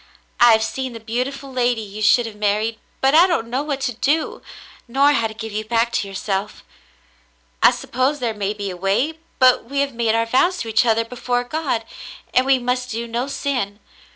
I have seen the beau tiful lady you should have married, and I don't know what to do, nor how to give you back to yourself. I suppose there may be a way, but we have made our vows to each other before God, and we must do no sin.